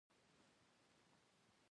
غوړې د پوستکي د ښه والي لپاره هم ګټورې دي.